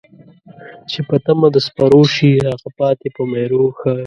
چې په تمه د سپرو شي ، هغه پاتې په میرو ښی